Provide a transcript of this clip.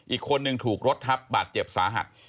อีกคนนึงถูกรถทับบาดเจ็บสาหัส